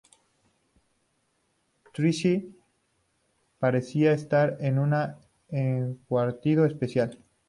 Tyreese parecía estar en un encurtido especial".